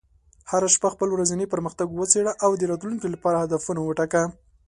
هره شپه خپل ورځنی پرمختګ وڅېړه، او د راتلونکي لپاره هدفونه وټاکه.